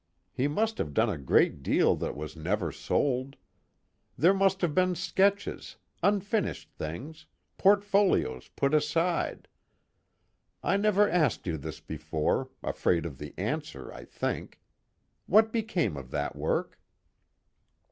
He must have done a great deal that was never sold. There must have been sketches, unfinished things, portfolios put aside. I never asked you this before, afraid of the answer I think: what became of that work?"